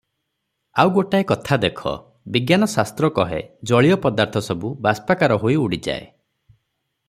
ଆଉ ଗୋଟିଏ କଥା ଦେଖ ବିଜ୍ଞାନଶାସ୍ତ୍ର କହେ, ଜଳୀୟ ପଦାର୍ଥ ସବୁ ବାଷ୍ପାକାର ହୋଇ ଉଡ଼ିଯାଏ ।